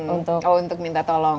untuk minta tolong